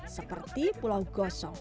seperti pulau gulungan dan pulau kudus